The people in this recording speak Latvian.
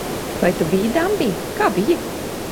Vai tu biji dambī? Kā bija?